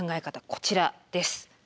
こちらです。